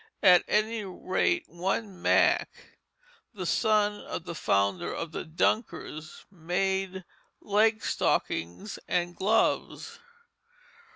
At any rate, one Mack, the son of the founder of the Dunkers, made "leg stockings" and gloves.